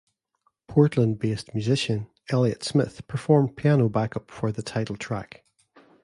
Portland-based musician Elliott Smith performed piano backup for the title track.